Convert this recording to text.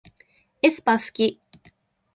aespa すき